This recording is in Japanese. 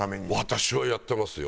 私はやってますよ。